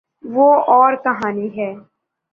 وہ اورکہانی ہے۔